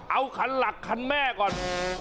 เอาคันหลักคันแม่ก่อน